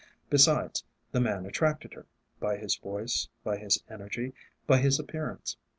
Besides, the man attracted her by his voice, by his energy, by his appearance.